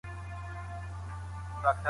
صحي عادتونه د ناروغیو مخنیوی کوي.